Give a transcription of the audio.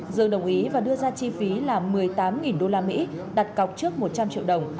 dương đồng ý và đưa ra chi phí là một mươi tám usd đặt cọc trước một trăm linh triệu đồng